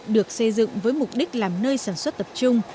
được xây dựng với mục đích làm nơi sản xuất tập trung